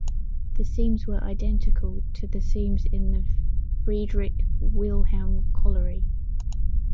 The seams were identical to the seams in the Friedrich Wilhelm colliery.